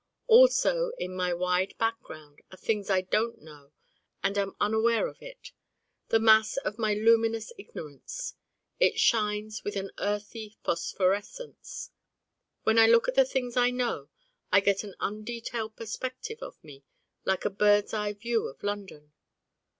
Also in my wide background are things I don't know and am unaware of it: the mass of my luminous Ignorance it shines with an earthy phosphorescence. When I look at the things I know I get an undetailed perspective of me like a bird's eye view of London.